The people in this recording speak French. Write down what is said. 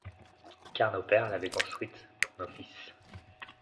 Car nos pères l'avaient construite pour nos fils.